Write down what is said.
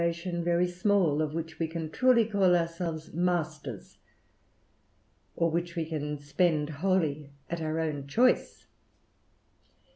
133 ^i"ation very small of which we can truly call ourselves ^^sters, or which we can spend wholly at our own choice.